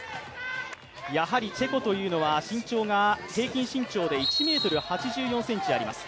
やはりチェコというのは平均身長が１ｍ８４ｃｍあります。